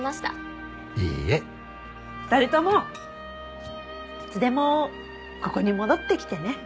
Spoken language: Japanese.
２人ともいつでもここに戻ってきてね。